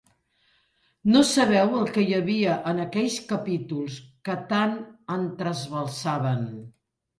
No sabeu el què hi havia en aquells capítols que tant em trasbalsaven.